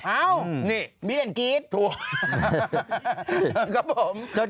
นี่มิลเลนซ์กรี๊ด